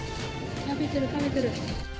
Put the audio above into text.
食べてる、食べてる。